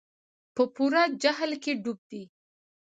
په پوره جهل کې ډوب دي.